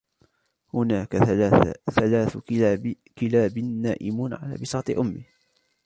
هناك ثلاث كلاب نائمون على بساط أمي.